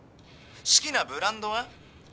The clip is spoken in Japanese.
好きなブランドは？